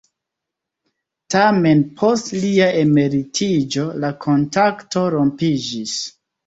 Tamen post lia emeritiĝo la kontakto rompiĝis.